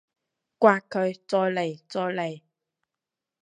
摑佢！再嚟！再嚟！